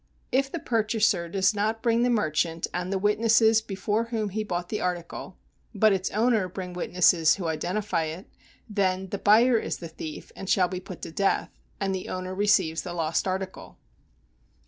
If the purchaser does not bring the merchant and the witnesses before whom he bought the article, but its owner bring witnesses who identify it, then the buyer is the thief and shall be put to death, and the owner receives the lost article.